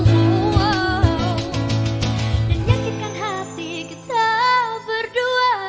kuyakin kau tahu